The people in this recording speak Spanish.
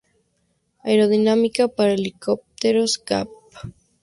Aerodinámica Para helicópteros, Cap.